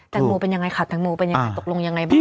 โมเป็นยังไงค่ะแตงโมเป็นยังไงตกลงยังไงบ้าง